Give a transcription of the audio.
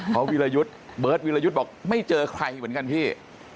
เพราะวิรยุทธ์เบิร์ตวิรยุทธ์บอกไม่เจอใครเหมือนกันพี่